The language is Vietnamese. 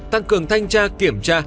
tăng cường thanh tra kiểm tra